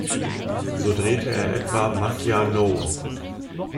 So drehte er etwa "Mafia No!